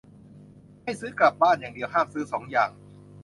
ให้ซื้อกลับบ้านอย่างเดียว ห้ามซื้อสองอย่าง